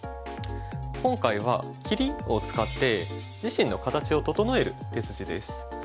今回は切りを使って自身の形を整える手筋です。